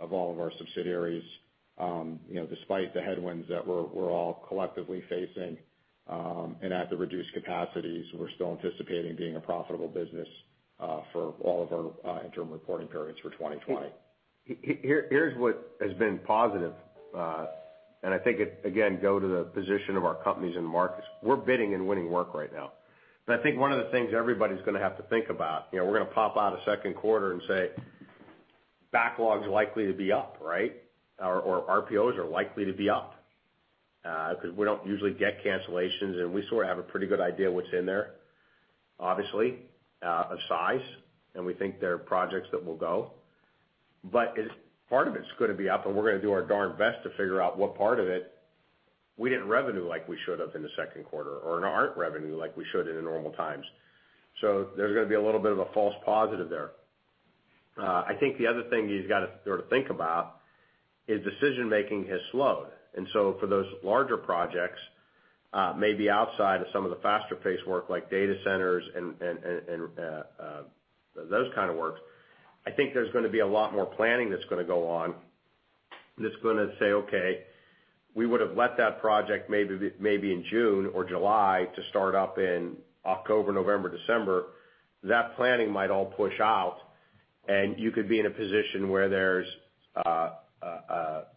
of all of our subsidiaries, despite the headwinds that we're all collectively facing, and at the reduced capacities, we're still anticipating being a profitable business for all of our interim reporting periods for 2020. Here's what has been positive. I think it, again, go to the position of our companies in the markets. We're bidding and winning work right now. I think one of the things everybody's going to have to think about, we're going to pop out a second quarter and say backlog's likely to be up, right? RPOs are likely to be up. Because we don't usually get cancellations, and we sort of have a pretty good idea what's in there, obviously, of size, and we think there are projects that will go. Part of it's going to be up, and we're going to do our darn best to figure out what part of it we didn't revenue like we should have in the second quarter or aren't revenue like we should in normal times. There's going to be a little bit of a false positive there. I think the other thing you've got to sort of think about is decision-making has slowed. for those larger projects, maybe outside of some of the faster-paced work like data centers and those kind of works, I think there's going to be a lot more planning that's going to go on that's going to say, "Okay, we would have let that project maybe in June or July to start up in October, November, December." That planning might all push out, and you could be in a position where there's a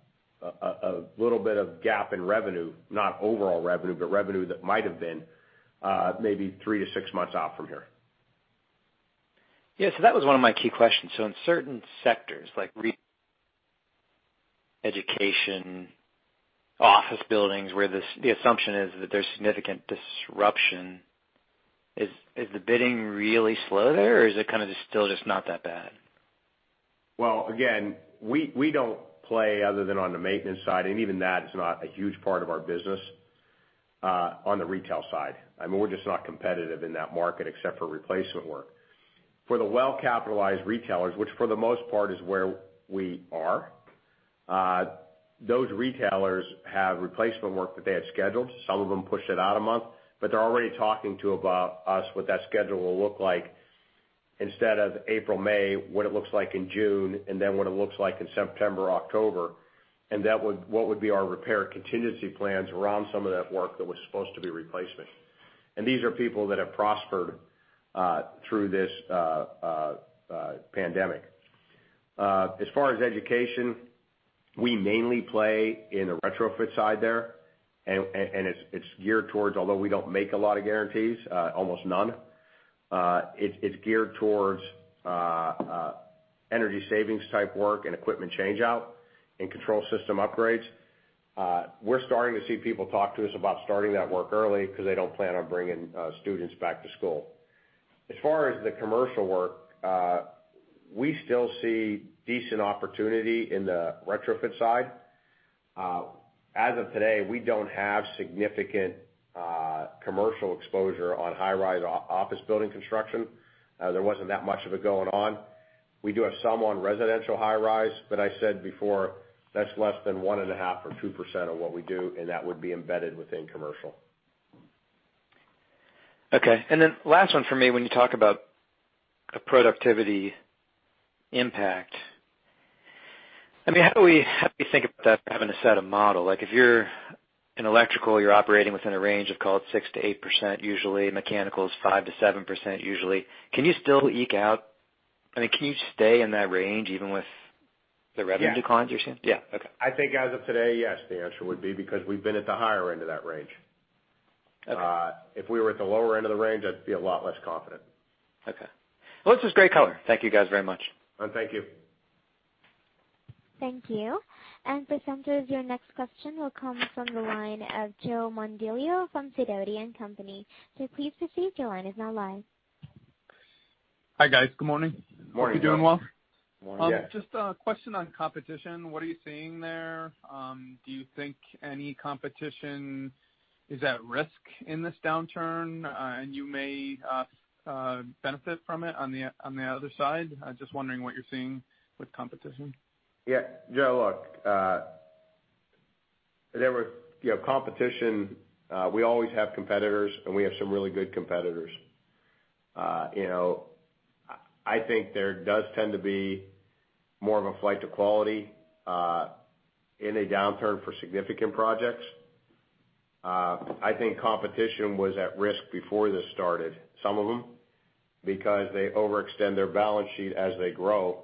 little bit of gap in revenue, not overall revenue, but revenue that might have been maybe three to six months out from here. Yeah. That was one of my key questions. In certain sectors like retail, education, office buildings, where the assumption is that there's significant disruption, is the bidding really slow there, or is it kind of still just not that bad? Well, again, we don't play other than on the maintenance side, and even that is not a huge part of our business, on the retail side. We're just not competitive in that market except for replacement work. For the well-capitalized retailers, which for the most part is where we are, those retailers have replacement work that they had scheduled. Some of them pushed it out a month, but they're already talking to us about what that schedule will look like instead of April, May, what it looks like in June, and then what it looks like in September, October, and what would be our repair contingency plans around some of that work that was supposed to be replacement. These are people that have prospered through this pandemic. As far as education, we mainly play in the retrofit side there, and it's geared towards although we don't make a lot of guarantees, almost none, it's geared towards energy savings type work and equipment change-out and control system upgrades. We're starting to see people talk to us about starting that work early because they don't plan on bringing students back to school. As far as the commercial work, we still see decent opportunity in the retrofit side. As of today, we don't have significant commercial exposure on high-rise office building construction. There wasn't that much of it going on. We do have some on residential high-rise, but I said before, that's less than 1.5% or 2% of what we do, and that would be embedded within commercial. Okay. Last one for me. When you talk about a productivity impact, how do we think about having to set a model? If you're in electrical, you're operating within a range of, call it 6%-8%, usually mechanical is 5%-7%, usually. Can you stay in that range even with revenue declines, you're saying? Yeah. Okay. I think as of today, yes, the answer would be because we've been at the higher end of that range. Okay. If we were at the lower end of the range, I'd be a lot less confident. Okay. Well, this was great color. Thank you guys very much. Thank you. Thank you. For presenters, your next question will come from the line of Joe Mondillo from Sidoti & Company. Please proceed. Your line is now live. Hi, guys. Good morning. Morning. You doing well? Morning. Yeah. Just a question on competition. What are you seeing there? Do you think any competition is at risk in this downturn, and you may benefit from it on the other side? Just wondering what you're seeing with competition. Yeah. Joe, look, competition, we always have competitors, and we have some really good competitors. I think there does tend to be more of a flight to quality, in a downturn for significant projects. I think competition was at risk before this started, some of them, because they overextend their balance sheet as they grow.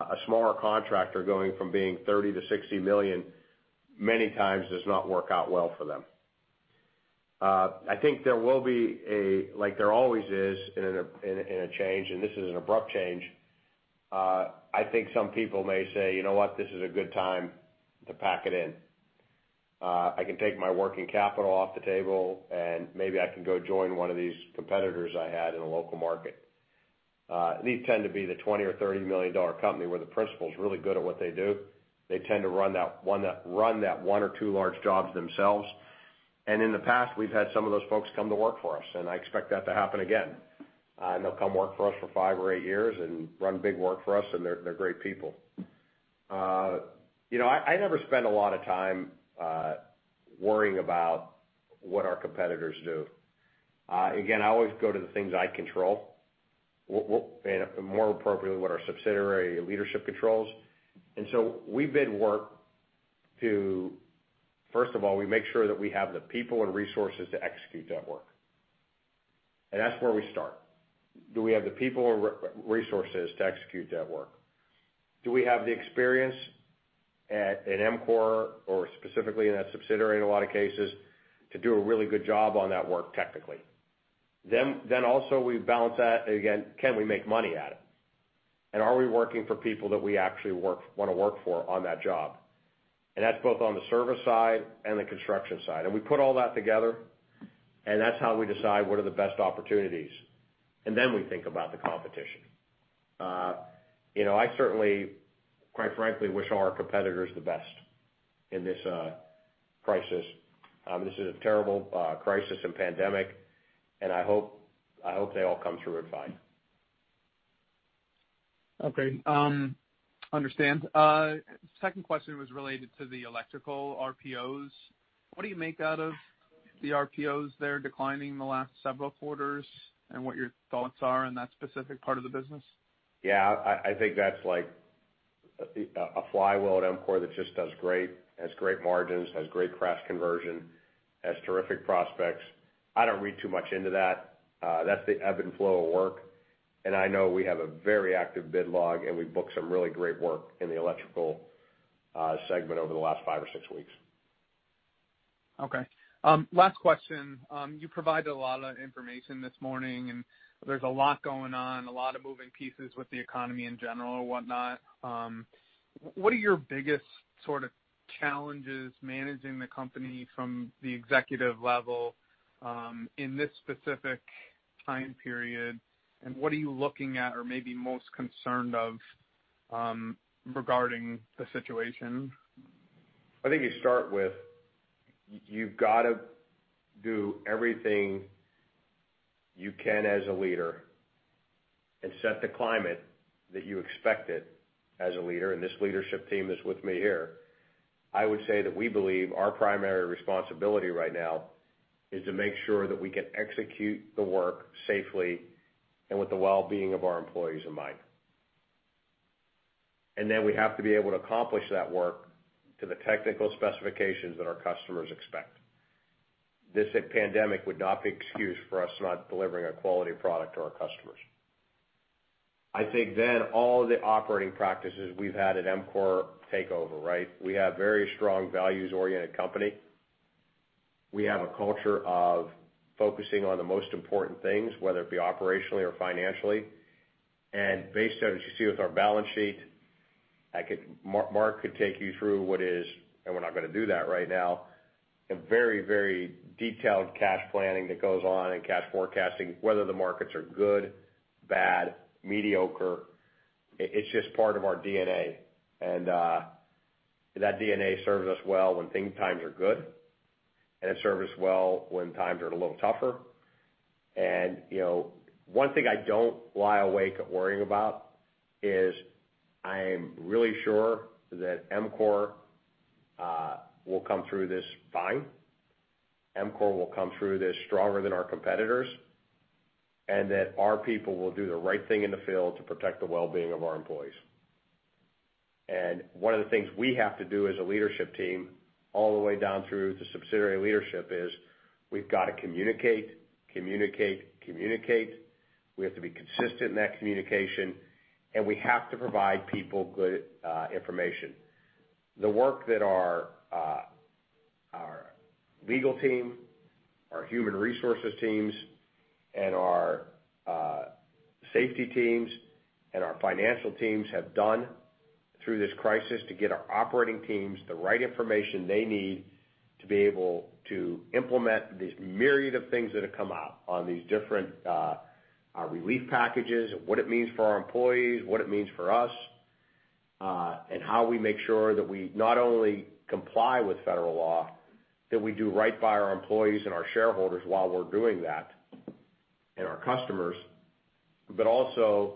a smaller contractor going from being $30 to $60 million many times does not work out well for them. I think there will be a, like there always is in a change, and this is an abrupt change, I think some people may say, "You know what? This is a good time to pack it in. I can take my working capital off the table, and maybe I can go join one of these competitors I had in a local market." These tend to be the $20 million or $30 million company where the principal's really good at what they do. They tend to run that one or two large jobs themselves. In the past, we've had some of those folks come to work for us, and I expect that to happen again. They'll come work for us for five or eight years and run big work for us, and they're great people. I never spend a lot of time worrying about what our competitors do. Again, I always go to the things I control, and more appropriately, what our subsidiary leadership controls. First of all, we make sure that we have the people and resources to execute that work. That's where we start. Do we have the people or resources to execute that work? Do we have the experience at an EMCOR or specifically in that subsidiary in a lot of cases, to do a really good job on that work technically? Also, we balance that, again, can we make money at it? Are we working for people that we actually want to work for on that job? That's both on the service side and the construction side. We put all that together, and that's how we decide what are the best opportunities. We think about the competition. I certainly, quite frankly, wish our competitors the best in this crisis. This is a terrible crisis and pandemic, and I hope they all come through it fine. Okay. Understand. Second question was related to the electrical RPOs. What do you make out of the RPOs there declining in the last several quarters, and what your thoughts are on that specific part of the business? Yeah, I think that's like a flywheel at EMCOR that just does great, has great margins, has great cash conversion, has terrific prospects. I don't read too much into that. That's the ebb and flow of work, and I know we have a very active bid log, and we've booked some really great work in the electrical segment over the last five or six weeks. Okay. Last question. You provided a lot of information this morning, and there's a lot going on, a lot of moving pieces with the economy in general and whatnot. What are your biggest sort of challenges managing the company from the executive level, in this specific time period, and what are you looking at or maybe most concerned of regarding the situation? I think you start with, you've got to do everything you can as a leader and set the climate that you expected as a leader, and this leadership team that's with me here. I would say that we believe our primary responsibility right now is to make sure that we can execute the work safely and with the well-being of our employees in mind. We have to be able to accomplish that work to the technical specifications that our customers expect. This pandemic would not be excuse for us not delivering a quality product to our customers. I think then all the operating practices we've had at EMCOR take over, right? We have very strong values-oriented company. We have a culture of focusing on the most important things, whether it be operationally or financially. Based on, as you see with our balance sheet, Mark could take you through what is, and we're not going to do that right now, a very detailed cash planning that goes on and cash forecasting, whether the markets are good, bad, mediocre. It's just part of our DNA. That DNA serves us well when times are good, and it serves us well when times are a little tougher. One thing I don't lie awake worrying about is I'm really sure that EMCOR will come through this fine. EMCOR will come through this stronger than our competitors, and that our people will do the right thing in the field to protect the well-being of our employees. One of the things we have to do as a leadership team, all the way down through to subsidiary leadership is, we've got to communicate. We have to be consistent in that communication, and we have to provide people good information. The work that our legal team, our human resources teams, and our safety teams, and our financial teams have done through this crisis to get our operating teams the right information they need to be able to implement this myriad of things that have come out on these different relief packages and what it means for our employees, what it means for us, and how we make sure that we not only comply with federal law, that we do right by our employees and our shareholders while we're doing that, and our customers. Also,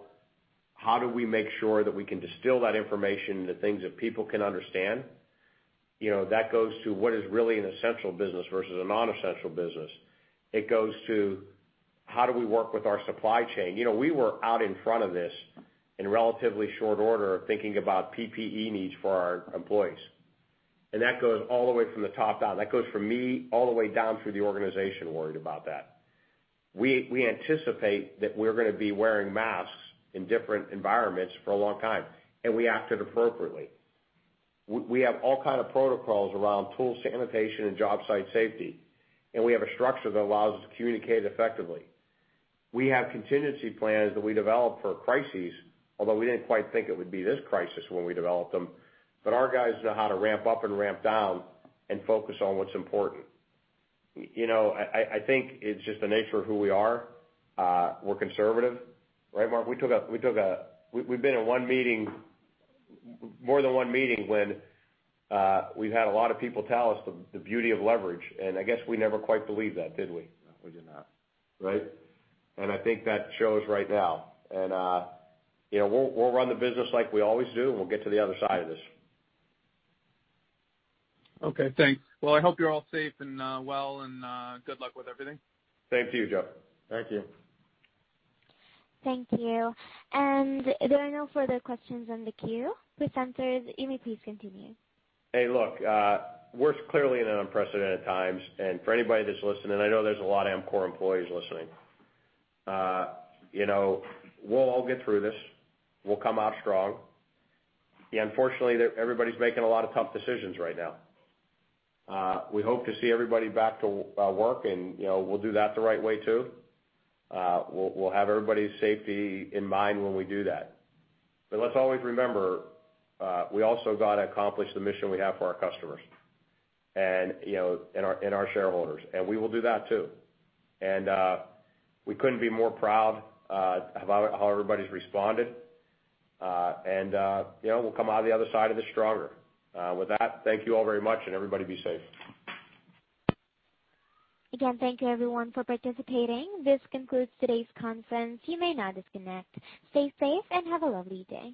how do we make sure that we can distill that information into things that people can understand? That goes to what is really an essential business versus a non-essential business. It goes to how do we work with our supply chain. We were out in front of this in relatively short order of thinking about PPE needs for our employees. That goes all the way from the top down. That goes from me all the way down through the organization worried about that. We anticipate that we're gonna be wearing masks in different environments for a long time, and we acted appropriately. We have all kind of protocols around tool sanitation and job site safety, and we have a structure that allows us to communicate effectively. We have contingency plans that we develop for crises, although we didn't quite think it would be this crisis when we developed them. Our guys know how to ramp up and ramp down and focus on what's important. I think it's just the nature of who we are. We're conservative, right, Mark? We've been in more than one meeting when we've had a lot of people tell us the beauty of leverage, and I guess we never quite believed that, did we? No, we did not. Right. I think that shows right now. We'll run the business like we always do, and we'll get to the other side of this. Okay, thanks. Well, I hope you're all safe and well, and good luck with everything. Thank you, Joe. Thank you. Thank you. There are no further questions on the queue. Presenters, you may please continue. Hey, look, we're clearly in an unprecedented times, and for anybody that's listening, I know there's a lot of EMCOR employees listening. We'll all get through this. We'll come out strong. Unfortunately, everybody's making a lot of tough decisions right now. We hope to see everybody back to work, and we'll do that the right way, too. We'll have everybody's safety in mind when we do that. Let's always remember, we also got to accomplish the mission we have for our customers and our shareholders, and we will do that, too. We couldn't be more proud of how everybody's responded. We'll come out of the other side of this stronger. With that, thank you all very much, and everybody be safe. Again, thank you everyone for participating. This concludes today's conference. You may now disconnect. Stay safe and have a lovely day.